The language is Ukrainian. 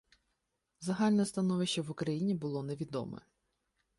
Загальне становище в Україні було невідоме.